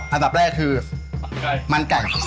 อันดับแรกคือมันแก่ง